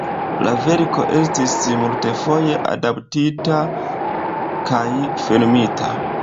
La verko estis multfoje adaptita kaj filmita.